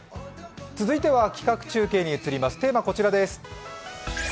続いては企画中継に移ります、テーマはこちらです。